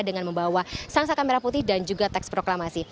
dengan membawa sang saka merah putih dan juga teks proklamasi